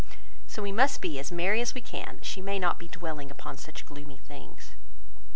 So we must be as merry as we can, that she may not be dwelling upon such gloomy things."